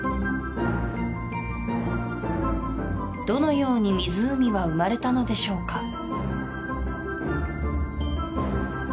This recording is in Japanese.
どのように湖は生まれたのでしょうか？